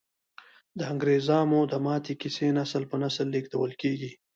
د انګریزامو د ماتې کیسې نسل په نسل لیږدول کیږي.